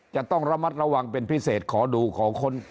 จะต้องระมัดระวังเป็นพิเศษขอดูขอค้น